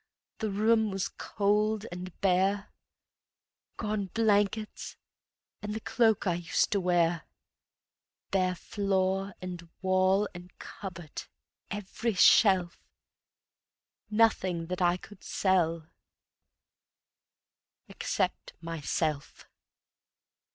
The room was cold and bare; Gone blankets and the cloak I used to wear; Bare floor and wall and cupboard, every shelf Nothing that I could sell ... except myself.